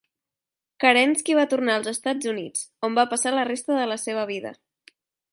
Kerensky va tornar als Estats Units, on va passar la resta de la seva vida.